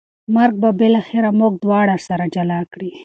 مرګ به بالاخره موږ دواړه سره جلا کړي